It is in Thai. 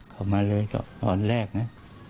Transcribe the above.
เข้ามาเลยก็ตอนแรกนะ